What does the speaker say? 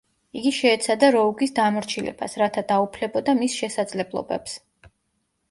იგი შეეცადა როუგის დამორჩილებას, რათა დაუფლებოდა მის შესაძლებლობებს.